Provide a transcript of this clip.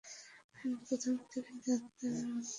আমি প্রথম থেকেই জানতাম এমনটা হবে!